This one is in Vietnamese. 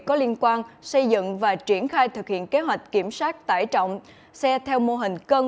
có liên quan xây dựng và triển khai thực hiện kế hoạch kiểm soát tải trọng xe theo mô hình cân